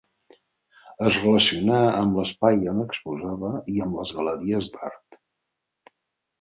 Es relacionà amb l'espai on exposava i amb les galeries d'art.